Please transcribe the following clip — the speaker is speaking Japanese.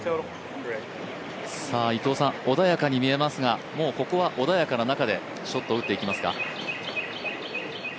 伊藤さん、穏やかに見えますが、ここは穏やかな中でショットを打っていきますか？